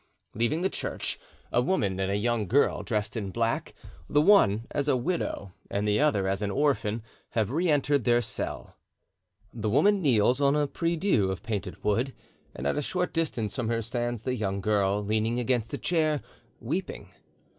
Leaving the church, a woman and a young girl dressed in black, the one as a widow and the other as an orphan, have re entered their cell. The woman kneels on a prie dieu of painted wood and at a short distance from her stands the young girl, leaning against a chair, weeping.